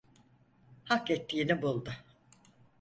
Hak ettiğini buldu.